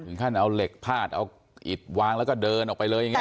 ขั้นเอาเหล็กพาดเอาอิดวางแล้วก็เดินออกไปเลยอย่างนี้